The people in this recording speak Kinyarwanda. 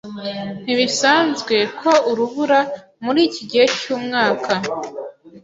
Ntibisanzwe ko urubura muri iki gihe cyumwaka.